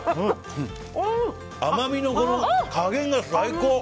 甘みの加減が最高。